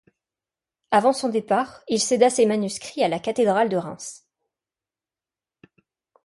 Avant son départ, il céda ses manuscrits à la cathédrale de Reims.